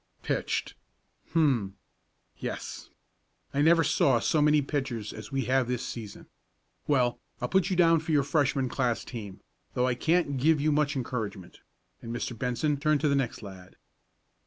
"Pitched. Hum! Yes. I never saw so many pitchers as we have this season. Well, I'll put you down for your Freshman class team, though I can't give you much encouragement," and Mr. Benson turned to the next lad.